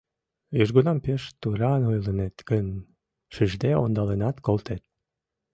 Южгунам пеш туран ойлынет гын, шижде ондаленат колтет.